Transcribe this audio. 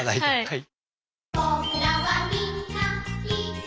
はい。